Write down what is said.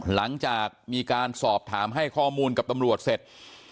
หลังจากมีการสอบถามให้ข้อมูลกับตำรวจเสร็จ